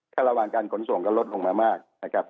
แค่ระหว่างการขนส่งก็ลดลงมามาก